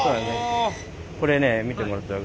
これね見てもらったら。